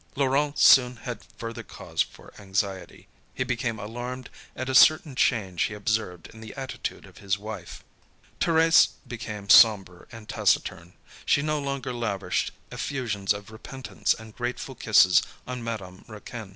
Laurent soon had further cause for anxiety. He became alarmed at a certain change he observed in the attitude of his wife. Thérèse became sombre and taciturn. She no longer lavished effusions of repentance and grateful kisses on Madame Raquin.